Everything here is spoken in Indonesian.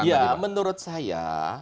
ya menurut saya